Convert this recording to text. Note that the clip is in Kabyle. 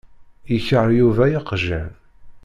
Yekṛeh Yuba iqjan.